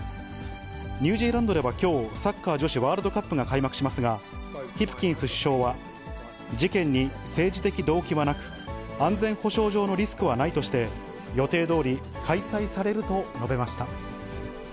ニュージーランドではきょう、サッカー女子ワールドカップが開幕しますが、ヒプキンス首相は、事件に政治的動機はなく、安全保障上のリスクはないとして、予定どおり開催されると述べました。